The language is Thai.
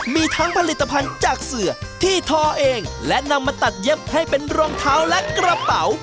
มีทั้งผลิตภัณฑ์จากเสือที่ทอเองและนำมาตัดเย็บให้เป็นรองเท้าและกระเป๋า